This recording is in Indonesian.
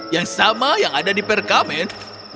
yang sama yang ada di perkamen